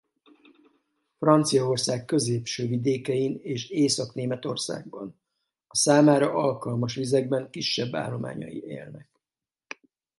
Franciaország középső vidékein és Észak-Németországban a számára alkalmas vizekben kisebb állományai élnek.